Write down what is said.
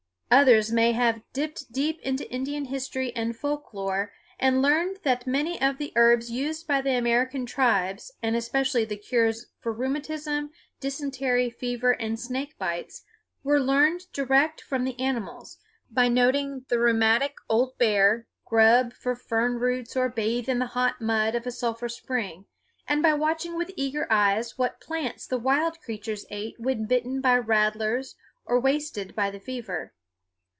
Others may have dipped deep into Indian history and folk lore and learned that many of the herbs used by the American tribes, and especially the cures for rheumatism, dysentery, fever, and snake bites, were learned direct from the animals, by noting the rheumatic old bear grub for fern roots or bathe in the hot mud of a sulphur spring, and by watching with eager eyes what plants the wild creatures ate when bitten by rattlers or wasted by the fever.